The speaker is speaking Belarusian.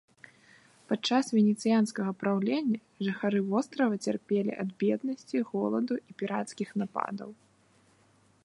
Падчас венецыянскага праўлення, жыхары вострава цярпелі ад беднасці, голаду і пірацкіх нападаў.